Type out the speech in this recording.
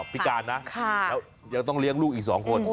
พิการนะแล้วยังต้องเลี้ยงลูกอีก๒คน